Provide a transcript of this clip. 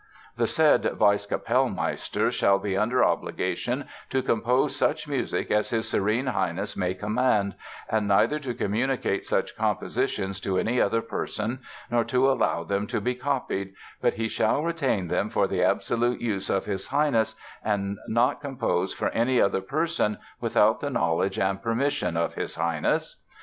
"The said Vice Capellmeister shall be under obligation to compose such music as his Serene Highness may command, and neither to communicate such compositions to any other person, nor to allow them to be copied, but he shall retain them for the absolute use of his Highness, and not compose for any other person without the knowledge and permission of his Highness....